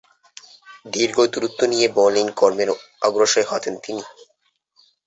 দীর্ঘ দূরত্ব নিয়ে বোলিং কর্মে অগ্রসর হতেন তিনি।